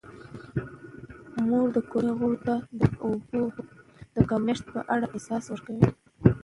مور د کورنۍ غړو ته د اوبو د کمښت په اړه معلومات ورکوي.